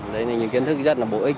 đấy là những kiến thức rất là bổ ích